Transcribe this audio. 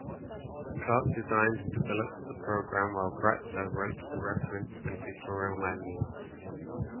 Clark designed and developed the program while Gratzer wrote the reference and tutorial manuals.